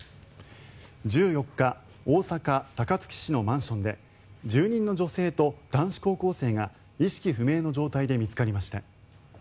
１４日大阪・高槻市のマンションで住人の女性と男子高校生が意識不明の状態で見つかりました。